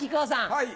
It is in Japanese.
はい。